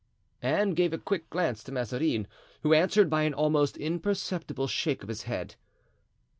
Anne gave a quick glance to Mazarin, who answered by an almost imperceptible shake of his head.